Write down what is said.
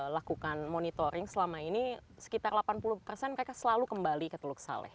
lakukan monitoring selama ini sekitar delapan puluh mereka selalu kembali ke teluk saleh